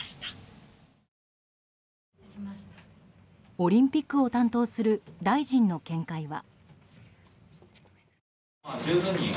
オリンピックを担当する大臣の見解は。